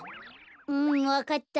うんわかった。